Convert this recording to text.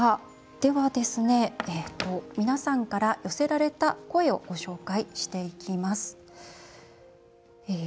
皆さんから寄せられた声をご紹介していきます。